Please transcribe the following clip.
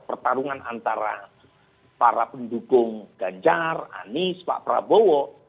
pertarungan antara para pendukung ganjar anies pak prabowo